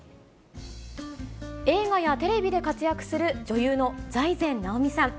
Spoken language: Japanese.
映画やテレビで活躍する、女優の財前直見さん。